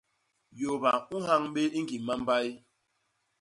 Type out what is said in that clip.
Yôba u nhañ bé i ñgim mambay.